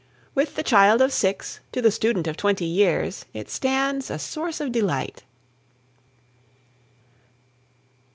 With the child of six to the student of twenty years it stands a source of delight.